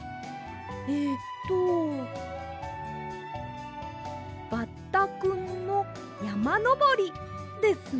えっと「バッタくんのやまのぼり」ですね。